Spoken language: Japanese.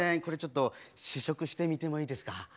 これちょっと試食してみてもいいですか？